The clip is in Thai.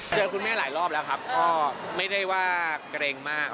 เจอคุณแม่หลายรอบแล้วครับก็ไม่ได้ว่าเกรงมาก